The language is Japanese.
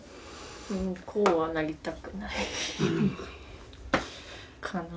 こうはなりたくないかな。